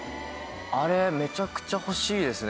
あれめちゃくちゃ欲しいですね。